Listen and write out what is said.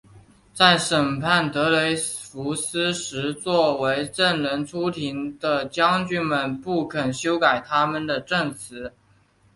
在审判德雷福斯时作为证人出庭的将军们不肯修改他们的证词。